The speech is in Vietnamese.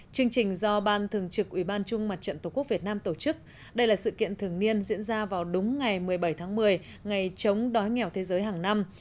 chương trình do ban thường trực ủy ban trung mặt trận tổ quốc việt nam tổ chức đây là sự kiện thường niên diễn ra vào đúng ngày một mươi bảy tháng một mươi ngày chống đói nghèo thế giới hàng năm